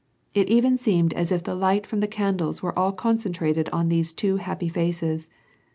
It even seemed as if the light from the candles were all concentrated on these two happy faces.